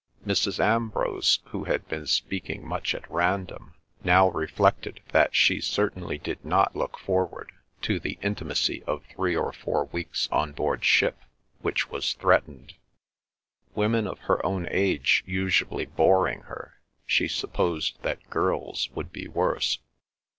Mrs. Ambrose, who had been speaking much at random, now reflected that she certainly did not look forward to the intimacy of three or four weeks on board ship which was threatened. Women of her own age usually boring her, she supposed that girls would be worse.